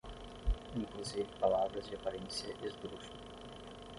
inclusive palavras de aparência esdrúxula